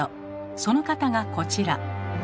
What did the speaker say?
その方がこちら。